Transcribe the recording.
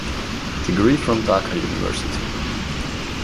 Degree from Dhaka University.